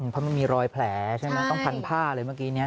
เพราะมันมีรอยแผลใช่ไหมต้องพันผ้าเลยเมื่อกี้นี้